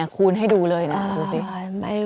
คูณให้ดูเลยนะ